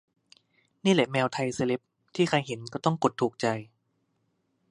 นี่แหละแมวไทยเซเลบ ที่ใครเห็นก็ต้องกดถูกใจ